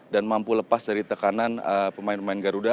dan mampu lepas dari tekanan pemain pemain garuda